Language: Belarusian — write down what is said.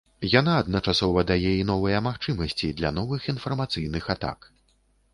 Яна адначасова дае і новыя магчымасці для новых інфармацыйных атак.